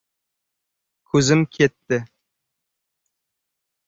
Ko‘zim ketdi.